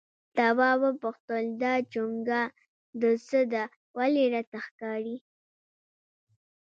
تواب وپوښتل دا چونگا د څه ده ولې راته ښکاري؟